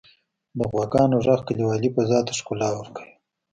• د غواګانو ږغ کلیوالي فضا ته ښکلا ورکوي.